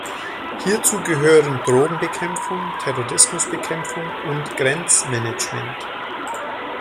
Hierzu gehören Drogenbekämpfung, Terrorismusbekämpfung und Grenzmanagement.